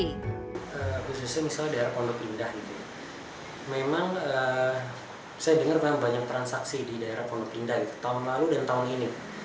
khususnya misalnya daerah pondok indah itu memang saya dengar memang banyak transaksi di daerah pondok indah tahun lalu dan tahun ini